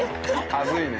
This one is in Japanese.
恥ずいね。